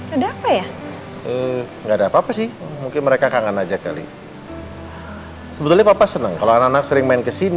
apa ini dengan iwan anggota unicorn band